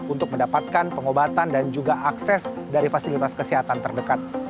untuk mendapatkan pengobatan dan juga akses dari fasilitas kesehatan terdekat